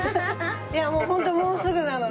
もうホントもうすぐなので。